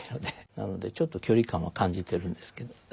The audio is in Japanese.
なのでちょっと距離感は感じてるんですけど。